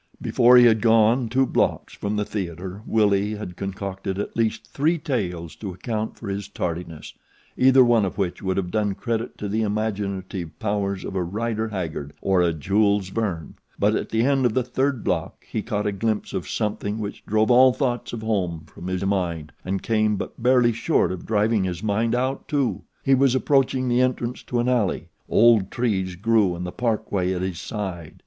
Before he had gone two blocks from the theater Willie had concocted at least three tales to account for his tardiness, either one of which would have done credit to the imaginative powers of a Rider Haggard or a Jules Verne; but at the end of the third block he caught a glimpse of something which drove all thoughts of home from his mind and came but barely short of driving his mind out too. He was approaching the entrance to an alley. Old trees grew in the parkway at his side.